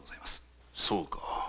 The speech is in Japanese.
そうか。